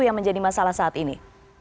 yang menjadi masalah saat ini